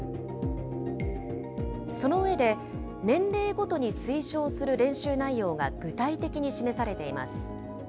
その上で、年齢ごとに推奨する練習内容が具体的に示されています。